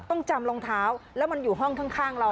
ต้องจำรองเท้าแล้วมันอยู่ห้องข้างเรา